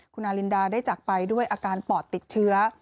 คุณอารินดาได้จากไปด้วยอาการปอดติดเชื้อ